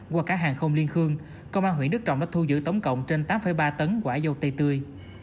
qua cảng hàng không liên khương công an huyện đức trọng đã thu giữ tổng cộng trên tám ba tấn quả dâu tây tươi